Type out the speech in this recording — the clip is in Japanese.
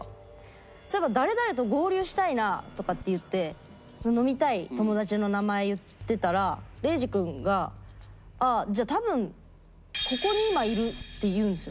「そういえば誰々と合流したいな」とかって言って飲みたい友達の名前言ってたらレイジ君が「じゃあ多分ここに今いる」って言うんですよ。